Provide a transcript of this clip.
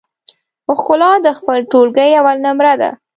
ښکلا د خپل ټولګي اول نمره ده